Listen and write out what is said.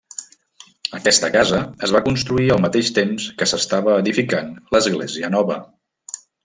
Aquesta casa es va construir al mateix temps que s'estava edificant l'església nova.